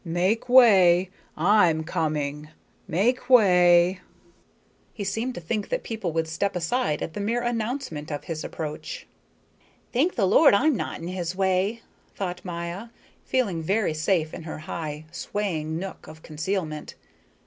"Make way, I'm coming. Make way." He seemed to think that people should step aside at the mere announcement of his approach. "Thank the Lord I'm not in his way," thought Maya, feeling very safe in her high, swaying nook of concealment.